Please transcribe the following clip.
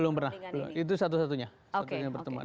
belum pernah belum itu satu satunya pertemuan